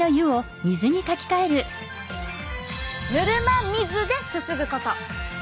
「ぬるま水ですすぐこと！」。